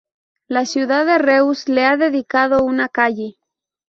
La ciudad de Reus le ha dedicado una calle.